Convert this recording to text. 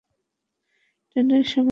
ট্রেনের সময় কখন?